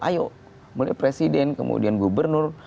ayo mulai presiden kemudian gubernur